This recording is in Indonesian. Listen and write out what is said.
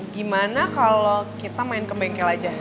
gimana kalau kita main ke bengkel aja